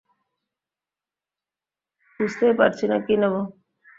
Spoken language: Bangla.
বুঝতেই পারছি না কি নেবো?